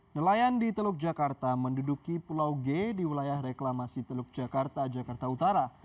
nelayan di teluk jakarta menduduki pulau g di wilayah reklamasi teluk jakarta jakarta utara